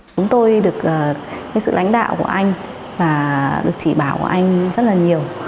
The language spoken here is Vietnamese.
chúng tôi được sự lãnh đạo của anh và được chỉ bảo của anh rất là nhiều